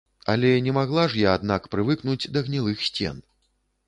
Але не магла ж я, аднак, прывыкнуць да гнілых сцен.